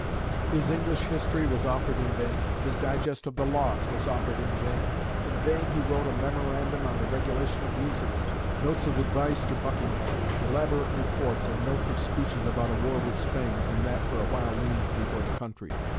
His English history was offered in vain. His digest of the Laws was offered in vain. In vain he wrote a memorandum on the regulation of usury; notes of advice to Buckingham; elaborate reports and notes of speeches about a war with Spain, when that for a while loomed before the country.